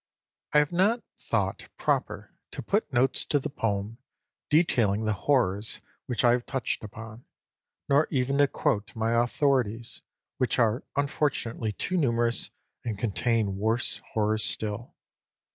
I have not thought proper to put notes to the poem, detailing the horrors which I have touched upon; nor even to quote my authorities, which are unfortunately too numerous, and contain worse horrors still.